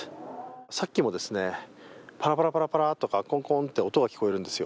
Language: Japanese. さっきもパラパラとかコンコンと音が聞こえるんですよ。